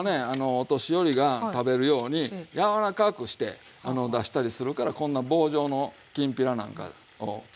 お年寄りが食べるように柔らかくして出したりするからこんな棒状のきんぴらなんかをつくるんですよ。